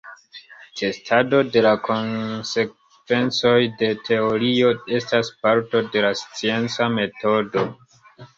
Testado de la konsekvencoj de teorio estas parto de la scienca metodo.